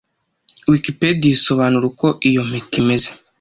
Wikipedia isobanura uko iyo mpeta imeze